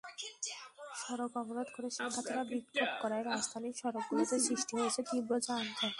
সড়ক অবরোধ করে শিক্ষার্থীরা বিক্ষোভ করায় রাজধানীর সড়কগুলোতে সৃষ্টি হয়েছে তীব্র যানজট।